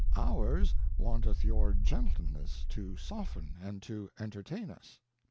Ours wanteth your Gentleness to, soften, and to entertain us.